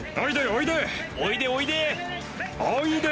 おいで、おいで。